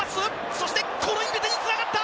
そしてコロインベテにつながった！